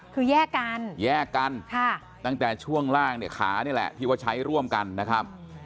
คือแยกกันแยกกันตั้งแต่ช่วงล่างเนี่ยขานี่แหละที่ว่าใช้ร่วมกันนะครับ